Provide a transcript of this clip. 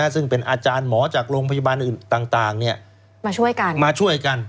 ซึ่งเป็นอาจารย์หมอจากโรงพยาบาลอื่นต่างมาช่วยกันมาช่วยกัน